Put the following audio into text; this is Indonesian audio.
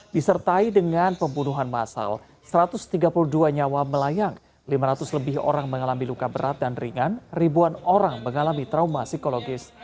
disertai dengan pembunuhan masal satu ratus tiga puluh dua nyawa melayang lima ratus lebih orang mengalami luka berat dan ringan ribuan orang mengalami trauma psikologis